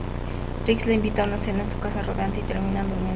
Riggs la invita a una cena en su casa rodante y terminan durmiendo juntos.